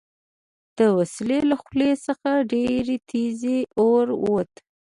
د وسلې له خولې څخه ډېر تېز اور ووت